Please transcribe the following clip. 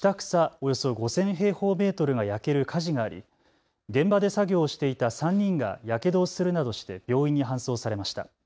およそ５０００平方メートルが焼ける火事があり現場で作業をしていた３人がやけどをするなどして病院に搬送されました。